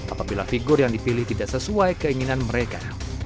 apabila figur yang dipilih tidak sesuai keinginan mereka